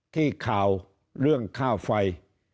ที่ข่าวเรื่องค่าไฟ